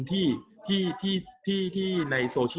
กับการสตรีมเมอร์หรือการทำอะไรอย่างเงี้ย